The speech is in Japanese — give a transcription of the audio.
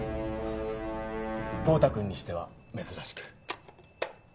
豪太くんにしては珍しく。